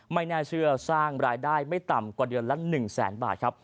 ไม่น่าเชื่อสร้างรายได้ไม่ต่ำกว่าเดือนละ๑แสนบาทครับ